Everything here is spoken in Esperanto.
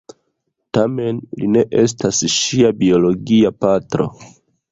Tamen li ne estas ŝia biologia patro.